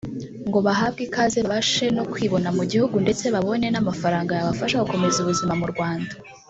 ngo bahabwe ikaze babashe no kwibona mu gihugu ndetse babone n’amafaranga yabafasha gukomeza ubuzima mu Rwanda